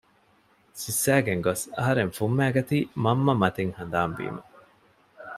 ސިއްސައިގެން ގޮސް އަހަރެން ފުއްމައިގަތީ މަންމަ މަތިން ހަނދާން ވީމަ